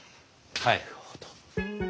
なるほど。